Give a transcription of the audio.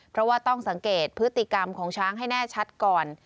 เพราะว่าต้องสังเกตพฤติกรรมของช้างให้แน่ชัดก่อน